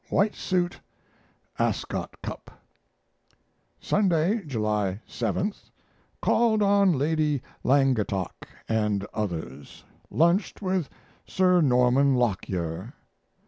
White suit. Ascot Cup. Sunday, July 7. Called on Lady Langattock and others. Lunched with Sir Norman Lockyer.